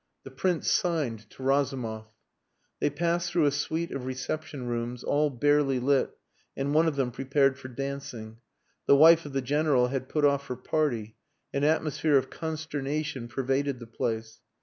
The Prince signed to Razumov. They passed through a suite of reception rooms all barely lit and one of them prepared for dancing. The wife of the General had put off her party. An atmosphere of consternation pervaded the place.